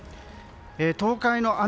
東海の雨